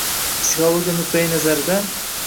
Psixologiya nuqtai nazaridan: